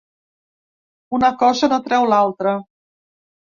Una cosa no treu l’altra.